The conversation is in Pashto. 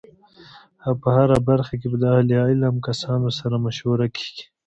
او په هره برخه کی به د اهل علم کسانو سره مشوره کیږی